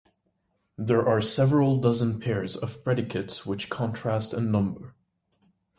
There are several dozen pairs of predicates which contrast in number.